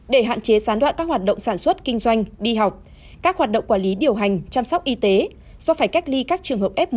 để hạn chế gián đoạn các hoạt động sản xuất kinh doanh đi học các hoạt động quản lý điều hành chăm sóc y tế do phải cách ly các trường hợp f một